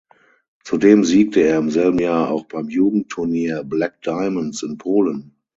Zudem siegte er im selben Jahr auch beim Jugendturnier „Black Diamonds“ in Polen.